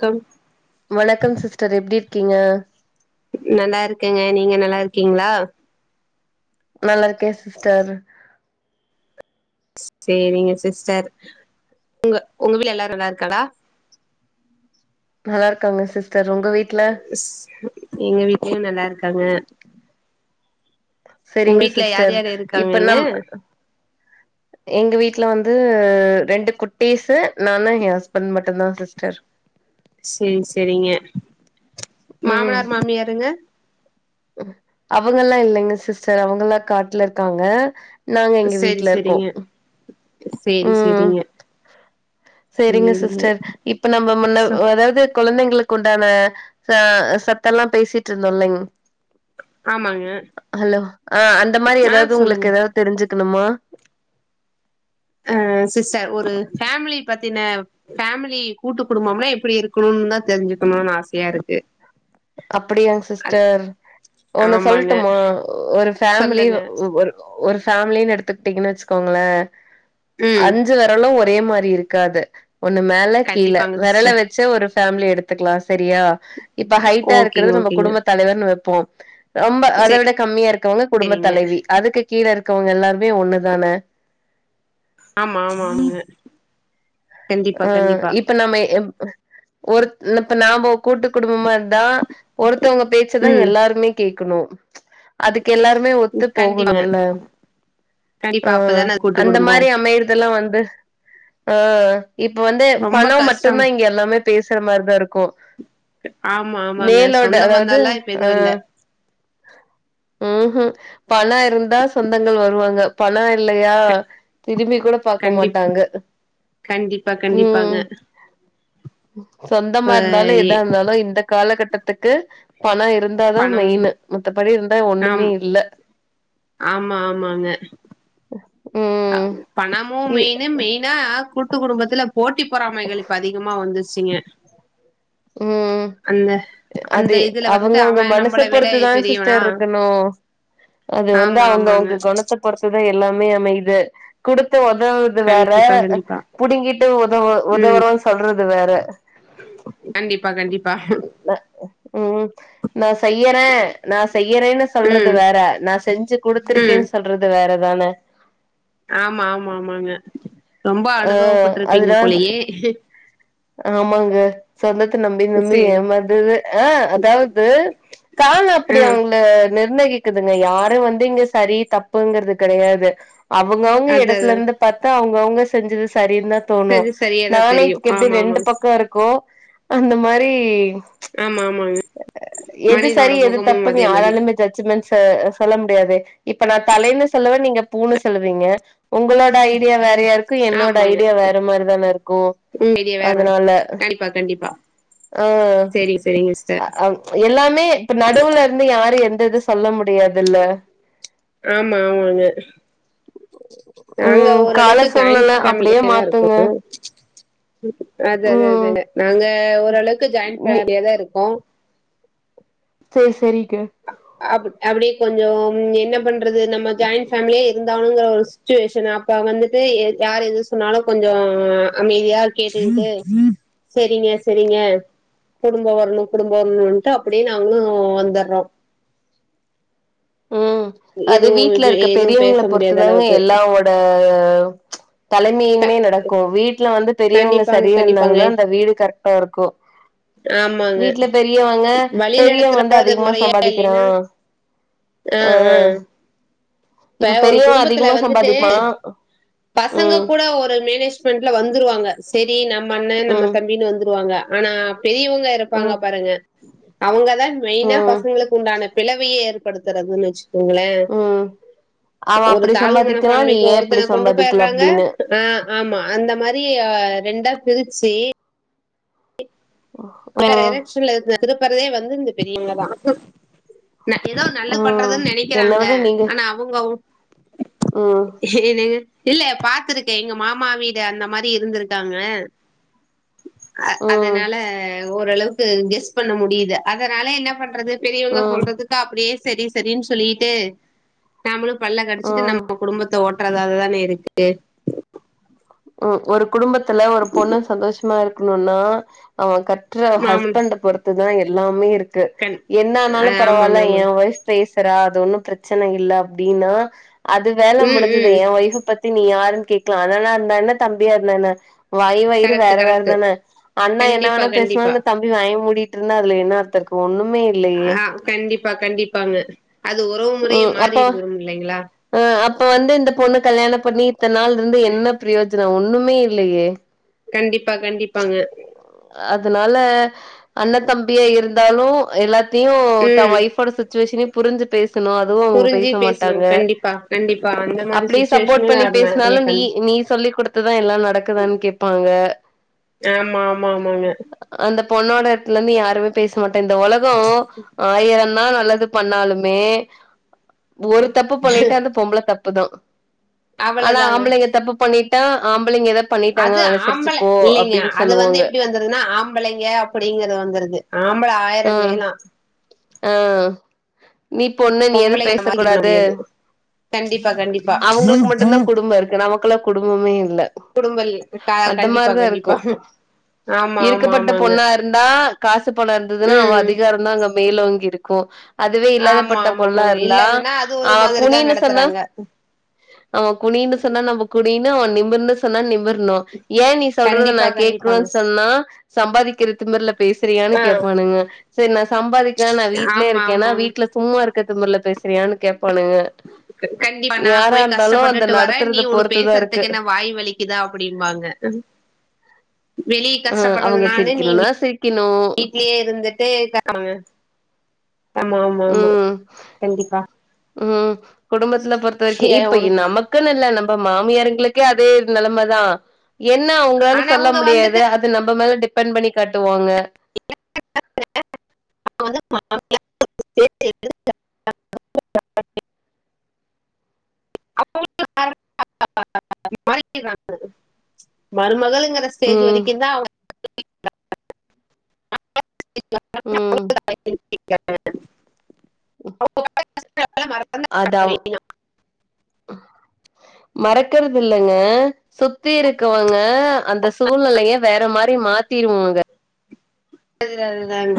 Come வணக்கம் sister எப்டி இருக்கீங்க நல்லா இருக்கேங்க நீங்க நல்லாருக்கீங்களா நல்லா இருக்கே சிஸ்டர் சேரிங்க சிஸ்டர் உங்க உங்க வீட்ல எல்லாரு நல்லா இருக்காளா நல்லா இருக்காங்க சிஸ்டர் ஒங்க வீட்ல ஸ் எங்க வீட்லயு நல்லாருக்காங்க ஒங்க செரிங்க வீட்ல யார் சிஸ்டர் யாரு இருக்காங்க இப்ப இங்க நம் எங்க வீட்ல வந்து ரெண்டு குட்டீஸு நானு எ ஹஸ்பண்ட் மட்டு்ந்தா சிஸ்டர் சேரி சேரிங்க மாமனார் மாமியாருங்க அவுங்கல்லா இல்லங்க சிஸ்டர் அவுங்கல்லா காட்ல இருக்காங்க நாங்க எங்க சேரி வீட்ல இருக்கோ சேரிங்க சேரி சேரிங்க சேரிங்க சிஸ்டர் இப்ப நம்ம முன்ன சோ அதாவது கொழந்தைங்களுக்கு உண்டான ச சத்து எல்லா பேசிட்டு இருந்தோ இல்லைங் ஆமாங்க ஹலோ ஆ அந்த மாரி ஆ ஏதாது சொல்லுங்க உங்களுக்கு ஏதாது தெரிஞ்சுக்கணுமா ஆ சிஸ்டர் ஒரு ஃபேமிலி பத்தின ஃபேமிலி கூட்டு குடும்பம்லா எப்டி இருக்கணும்னு தா தெரிஞ்சுக்கணுனு ஆசையா இருக்கு அப்டியா அது சிஸ்டர் ஒன்னு ஆமாங்க சொல்ட்டுமா ஒரு ஃபேமிலி சொல்லுங்க ஒரு ஒரு ஃபேமிலினு எடுத்துக்ட்டீங்கனு வச்சுக்கோங்களே ம் அந் ஞ்சு வெரலு ஒரே மாரி இருக்காது ஒன்னு மேல கீழ கண்டிப்பாங்க வெரல சிஸ்டர் வச்சு ஒரு ஃபேமிலி எடுத்துக்லா சேரியா இப்ப டா ஓகேங்க இருக்கறது நம்ம ஓகேங்க குடும்ப தலைவர்னு வப்போ ரொம்ப அத விட கம்மியா இருக் க்கவங்க குடும்ப சேரிங்க தலைவி அதுக்கு கீழ இருக்கவங்க எல்லாருமே ஒண்ணுதானே ஆமா ஆமா ங்க ஆ இப் இப்ப நம்ம எ ம் ஒரு இப்ப நாம ஒரு கூட்டு குடும்பமா இருந்தா ஒருத்தவங்க பேச்சதா ம் எல்லாருமே கேக்கணு அதுக்கெல்லாருமே ஒத்து கண்டிப்பாங்க போகணுல கண்டிப்பா ஆ அப்பதான அது கூட்டு அந்த குடும்போ மாரி அமைரு துலா வந்து ஆ இப்ப வந்து ரொம்ப பணம் கஷ்டம் மட்டுந்தா இங்க எல்லாமே பேசுற மாரி தா இருக்கு ஆமா ஆமாங்க மேலோட சொந்த அதாவது பந்தல்லா இப்ப ஆ எதுவு இல்ல ம் ஹும் பண இருந்தா சொந்தங்கள் வருவாங்க பணோ இல்லையா க திரும்பி கூட பாக்க கண்டிப்பா மாட்டாங்க கண்டிப்பா கண்டிப்பாங்க ம் இப்ப சொந்தமா இருந்தாலு எ எதா இருந்தாலு இந்த காலகட்டத்துக்கு பணோ இருந்தாதா பணம் மெயினு மத்தபடி இருந்தா ஒண்ணுமே ஆம் இல்ல ஆமா ஆமாங்க அ ம் பணமு இ மெயினு மெய்னா கூட்டு குடும்பத்துல போட்டி பொறாமைகள் இப்ப அதிகமா வந்துருச்சுங்க ம் அந்த அது அந்த இதுல அவுங்க வந்துட்டு அவுங்க அவ மனச நம்மள விட பொறுத்துதா பெரியவனா சிஸ்டர் இருக்கணு அது வந்து ஆமா ஆமாங்க அவுங்கவுங்க கொணத்த பொறுத்துதா எல்லாமே அமைது குடுத்து ஒதவு றது வேற கண்டிப்பா கண்டிப்பா புடுங்கிட்டு ஒதவு ம் ஓதவுறோனு சொல்றது வேற கண்டிப்பா கண்டிப்பா ம் நா செய்யற நா செய்யறேனு சொல்றது ம் வேற நா செஞ்சு ம் குடுத்ருக்கேன் சொல் றது வேற தான ஆமா ஆமா ஆமாங்க ரொம்ப ஆ அனுபவப்பட்ருப்பீங்க அதுதா போளையே ஆமாங்க சொந்தத்த நம்பி நம்பி சரி ஏமாந்து ஆ அதாவுது காலோ அப்டி ஆ அவுங்ள நிர்ணயி க்குதுங்க யாரு வந்து இங்க சரி தப்புங்றது கடையாது அவுங்கவுங்க அது அது எடத்துல இருந்து பாத்தா அவுங்கவுங்க செஞ்சது சரின் தா தோணு சரி சரியாதா தெரியு நாணயத்துக் எப்டி ஆமா ரெண்டு ஆமாங்க பக்கொ இருக்கோ அந்த மாரி ஆமா ஆமாங்க எது மனிதனோட செரி எது முகமு தப்புனு அதே மாரி யாராலயுமே ஜட்ஜ்மெண்ட்ஸ் ஸ சொல்ல முடியாது இப்ப நா தலைனு சொல்லுவ நீங்க பூன்னு சொல்லுவீங்க உங்களோட ஐடியா வேற யாருக் கு௱என்னோட ஆமாங்க ஐடியா வேற மாரிதான இருக்கு அதனால ப்பா கண்டிப்பா ஆ செரி செரிங்க அ எல்லாமே இப்ப நடுவுல இருந்து யாரு எந்த இது சொல்ல முடியாதுல்ல ஆமா ஆமாங்க நாங்க ம் கால ஓரளவுக்கு ஜாயிண்ட் சூழ்நில அப்டியே ஃபேமிலியே தா இருக்கோ மாத்துங்க அது அது ம் அதாங் நாங்க ஓரளவுக்கு ஜாயின் நீ ஃபேமிலியாதா இருக்கோ சேர் செரிக்க அ அப் அப்டியே கொஞ்சோம் என்ன பண்றது நம்ம ஜாயிண்ட் ஃபேமிலி இருந்தாகுனுங்கற ஒரு சுச்சுவேஷனு அப்ப வந்துட்டு யார் எது சொன்னாலு கொஞ்சோ அமைதியா கேட்டுட்டு செரிங்க செரிங்க குடும்ப வர்ணு குடும்ப வர்ணுன்ட்டு அப்டியே நாங்ளு வந்தர்றோ ம் அது எதுவு வீட்ல இது இருக்க எதுவு பேச பெரியோங்களப் பொறுத்து முடியாத தாங்க அளவுக்கு எல்லாவோட க தலைமையின்மே நடக்கும் வீட்டுல வந்து பெரியவுங்க கண்டிப்பாங்க செரியா கண்டிப்பாங்க இருந்தாங்னா அந்த வீடு கரெக்ட்டா இருக்கு ஆமாங்க வீட்ல பெரியவங்க வழி பெரியவன் வந்து நடத்துறது அதிகமா முறையா சம்பாதிக்கிறா இல்லைன்னா ஆ ஆ இப்ப ஒரு பெரியவ குடும்பத்துல அதிகமா வந்துட்டு சம்பாதிப்பா பசங்க ம் கூட ஒரு மேனேஜ் மெண்ட்ல வந்துருவாங்க செரி நம்ம அண்ண நம்ம ம் தம்பின்னு வந்துருவாங்க ஆனா பெரியவுங்க இருப்பாங்க ம் பாருங்க அவுங்கதா மெயினா ம் பசங்களுக் உண்டான பிளவையே ஏற்படுத்துறதுன் வச்சுக்கோங்ளே ம் அவன் அப்டி சம்பாதிக்கறா நீ மனப்பான்மைக்கு ஏன் இப்டி ஒருத்தன கொண்டு சம்பாதிக்ல போயிர்றாங்க. அப்டின்னு ஆ ஆமா அந்த மாரி ரெண்டாப் பிரிச்சி வேற ம் டரக்ஷன்ல திருப்பறதே வந்து இந்த பெரியவுங்கதா ஏதோ நல்லத் ம் பண்றதுன் என்ன நெனைக்கறாங்க விட நீங்க ஆனா அவுங்கொ ம் ஹேனே இல்ல பாத்துருக்கே எங்க மாமா வீடு அந்த மாரி இருந்துருக்காங்க அ ம் அதனால ஓரளவுக்கு கெஸ் பண்ண முடியுது அதனால என்ன பண்றது பெரியவுங்க ம் சொல்றதுக்கு அப்டியே சரி சரின்னு சொல்லிட்டு நம்மளு பல்லக் கடிச்சிட்டு ம் நம்ம குடும்பத்த ஓட்டுறதாதான இருக்கு ம் ஒரு குடும்பத்துல ஒரு பொண்ணு சந்தோஷமா இருக்கணுன்னா அவன் க ட்ற மாமன் ஹஸ்பண்ட பொறுத்துதா எல்லாமே இருக்கு கண் என்ன ஆனாலு ஆமாங்க பரவால்ல ஆமாங்க என் ஒய்ஃப் பேசுறா அது ஒன்னு பிரச்சனை இல்ல அப்டின்னா அது வேல ம் முடிஞ்சுது ம் என் ஒய்ஃப் பத்தி நீ யாருனு கேக்கலா அண்ணனா இருந்தா என்ன தம்பியா இருந்தா என்ன வாயு வயிறு கரெக்ட் வேற வேற கரெக்ட் தான அண்ண என்ன கண்டிப்பா வேணா கண்டிப்பா பேசுனாலு தம் வாய மூடிட்டு இருந்தா அதுல என்ன அர்த்தோ இருக்கு ஒன்னுமே இ ஆ கண்டிப்பா கண்டிப்பாங்க அது உறவு முறையே ம் அப்போ மாறிடுருங் இல்லைங்களா அ அப்ப வந்து இந்தப் பொண்ணக் கல்யாணம் பண்ணி இத்தன நாள் இருந்து என்ன பிரயோஜனம் ஒன்னுமே இல்லையே கண்டிப்பா கண்டிப்பாங்க அதனால அண்ணத்தம்பியா இருந்தாலு எல்லாத் தையு தன் ம் ஒய்ஃபோட சிச்சுவேஷனையு புரிஞ்சு பேசணு புரிஞ்சு பேசணு கண்டிப்பா கண்டிப்பா அந்த மாரி அப்டியே சப்போர்ட் சுச்சுவேஷனே நா பண்ணி நெறைய பேசுனாலு நீ கண் நீ சொல்லிக் குடுத் துதா எல்லா நடக்குதா கேப்பாங்க ஆம்மா ஆமா ஆமாங்க அந்த பொண்ணோட எடத்துல இருந்து யாருமே பேச மாட்டாங் இந்த ஒலகம் ஆயிரந்தா நல்லது பண்ணாலுமே ஒரு தப்பு பண்ணிட்டா அந்த பொம்பள தப்புதா ஆனா அவ்வளதாங்க ஆம்பளைங்க தப்பு பண்ணிட் டா ஆம்பளைங்க எதா பண்ணிட்டாங்க அது அனுசரிச்சுப்போ அப்டின்னு சொல்லுவாங்க இதுனா ஆம்பளைங்க அப்டிங்கிறது வந்துருது ஆம்பள ஆ ஆயிரஞ் செய்யலா ஆ நீ பொண்ணு நீ எது பொம்பளைங்க அந்த பேசக் மாரி பண்ண கூடாது முடியாது. கண்டிப்பா கண்டிப்பா. அவுங்களுக்கு மட்டுந்தா குடும்ப இருக்கு நமக்கெல்லா குடும்பமே இல்ல குடும்ப இல் க அந்த கண்டிப்பா மாரிதா இருக்கு கண்டிப்பா ஆமா ஆமா இருக்கப்பட்ட ஆமாங்க. பொண்ணா இருந்தா காசு பணொ இருந் ததுனா அவ ம். அதிகாரந்தா அங்க மேலோங்கி இருக்கு அதுவே ஆமா இல்லாதப்பட்ட ஆமா பொண்ணா ஆமாங்க. இருந்தா இல்லாதுன்னா அது ஒரு அவ மாதிரி தான் குனின்னு சொன்னா நடத்துறாங்க. அவன் குனின்னு சொன்னா நம்ம குனியனு அவன் நிமிர்னு சொன்னா நிமிர்னு ஏன் நீ சொல்றத நா கண்டிப்பா கண்டிப்பாங்க. கேக்கணுனு சொன்னா சம்பாதிக்கிற திமிர்ல பேசுறியானு ஆ கேப் பாணுங்க சரி நா சம்பாதிக்கல நா வீட்லயே ஆமா ஆமா இருக்கேன்னா ஆமா. வீட்ல சும்மா இருக்கிற திமுருல பேசுறியான்னு கேப்பானுங்க கண்டிப்பா நா யாரா போய் இருந்தாலு அந்த கஷ்டப்பட்டுட்டு வர நீ நடத்துறத ஒன்னு பொறுத்துதா இருக்கு பேசுறதுக்கு என்ன வாய் வலி க்குதா அப்டிம்பாங்க வெளிய ஆ கஷ்டபட்றது அவங்க நானு நீ சிரிக்கணும்னா சிரிக்கணு வீட்லயே இருந்து தேக ஆமாங்க ஆமா ஆமா ஆமா ம் கண்டிப்பா ம் குடும்பத்துல பொறுத்த வரைக்கு ஏ இப்ப ஒரு இ நம க்குன்னு இல்ல நம்ம மாமியார்ங்களுக்கே அதே இது நெலம தா என்ன அவுங்களால ஆனா சொல்ல அவங்க முடியாது வந்துட்டு அது நம்ம மேல டிபென்ட் பண்ணி காட்டுவாங்க [unintelligible] [unintelligible] மருமகள்ங்குற ம் ஸ்டேஜுவரிக்குந்தா அவுங்க ம் [unintelligible] அது அவு மறந்தாங்க மறக்கருதில்லங்க சுத்தி இருக்கவங்க அந்த சூழ்நெலய வேற மாரி மாத்திருவோங்க அதுதா அதுதாங்க